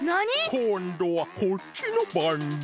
こんどはこっちのばんだ。